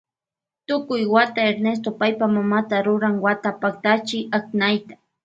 Tukuy wata Ernesto paypa mamata ruran wata paktachi aknayta.